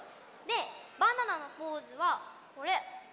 バナナのポーズはこれ！